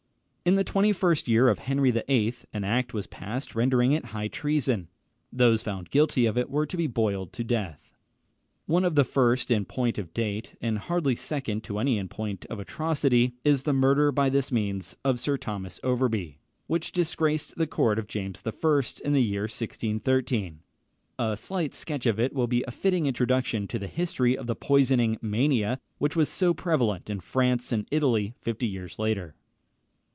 In the twenty first year of Henry VIII. an act was passed rendering it high treason. Those found guilty of it were to be boiled to death. One of the first in point of date, and hardly second to any in point of atrocity, is the murder by this means of Sir Thomas Overbury; which disgraced the court of James I. in the year 1613. A slight sketch of it will be a fitting introduction to the history of the poisoning mania, which was so prevalent in France and Italy fifty years later.